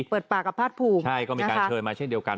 เปิดปากกับพาสภูกเช่นเดียวกัน